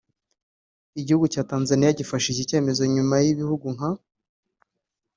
Igihugu cya Tanzania gifasha iki cyemezo nyuma y’ibihugu nka